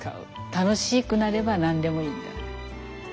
楽しくなれば何でもいいみたいな。